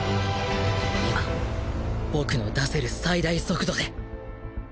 今僕の出せる最大速度で